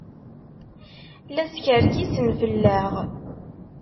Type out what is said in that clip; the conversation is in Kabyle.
La skerkisen fell-aɣ.